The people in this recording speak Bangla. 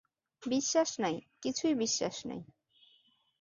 বিশ্বাস নাই, কিছুই বিশ্বাস নাই।